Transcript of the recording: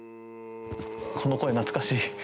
この声懐かしい。